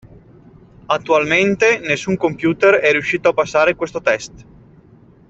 Attualmente nessun computer è riuscito a passare questo test.